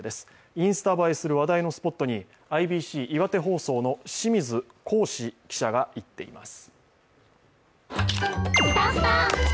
インスタ映えする話題のスポットにＩＢＣ岩手放送の清水康志記者が行っています。